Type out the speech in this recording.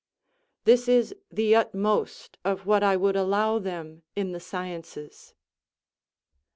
This is the utmost of what I would allow them in the sciences.